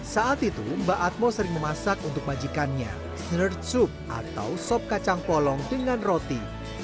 saat itu mbak atmo sering memasak untuk majikannya herd sup atau sop kacang polong dengan roti